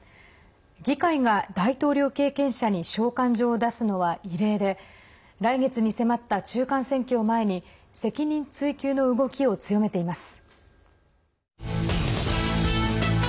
議会が大統領経験者に召喚状を出すのは異例で来月に迫った中間選挙を前に責任追及の動きを強めています。